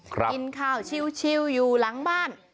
กินข้าวชิวอยู่หลังบ้าน